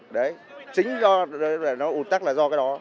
đấy chính do nó ủn tắc là do cái đó